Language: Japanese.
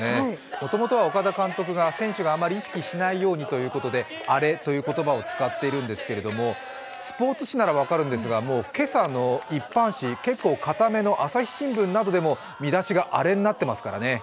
もともとは岡田監督が、選手があまり意識しないようにということでアレという言葉を使っているんですけれども、スポーツ紙なら分かるんですが今朝の一般紙、結構かための「朝日新聞」などでも見出しが「アレ」になっていますからね。